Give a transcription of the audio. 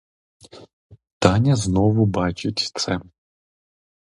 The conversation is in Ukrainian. Таня знову бачить це.